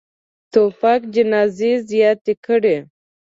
توپک جنازې زیاتې کړي.